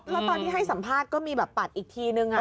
แล้วตอนที่ให้สัมภาษณ์ก็มีแบบปัดอีกทีนึง